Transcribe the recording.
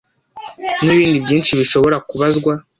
n'ibindi byinshi bishobora kubazwa